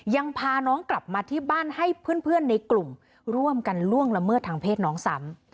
ยังพาน้องกลับมาที่บ้านให้เพื่อนในกลุ่มร่วมกันล่วงละเมิดทางเพศน้องซ้ำ